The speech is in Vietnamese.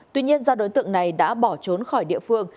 tuy nhiên do đối tượng này đã bỏ trốn khỏi địa phương